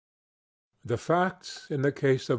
THE FACTS IN THE CASE OF M.